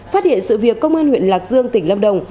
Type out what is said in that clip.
phát hiện sự việc công an huyện lạc dương tỉnh lâm đồng